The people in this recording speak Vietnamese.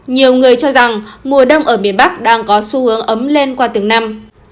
nhiều người cho rằng mùa đông ở miền bắc đang có xu hướng ấm lên qua từng năm